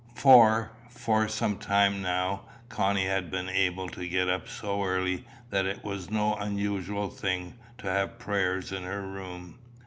For, for some time now, Connie had been able to get up so early, that it was no unusual thing to have prayers in her room.